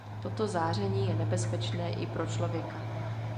Toto záření je nebezpečné i pro člověka.